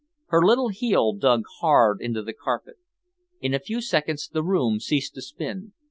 Her little heel dug hard into the carpet. In a few seconds the room ceased to spin.